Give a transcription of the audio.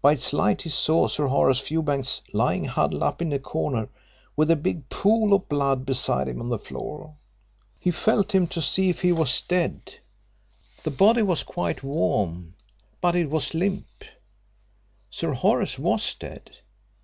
By its light he saw Sir Horace Fewbanks lying huddled up in a corner with a big pool of blood beside him on the floor. He felt him to see if he was dead. The body was quite warm, but it was limp. Sir Horace was dead.